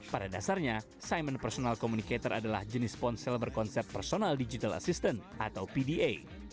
pada dasarnya simon personal communicator adalah jenis ponsel berkonsep personal digital assistant atau pda